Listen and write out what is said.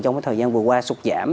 trong thời gian vừa qua sụt giảm